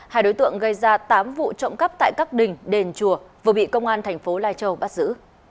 hai đối tượng gây ra tám vụ trộm cắp tại các đình đền chùa vừa bị công an thành phố lai châu bắt giữ